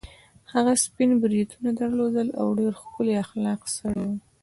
هغه سپین بریتونه درلودل او ډېر ښکلی اخلاقي سړی وو.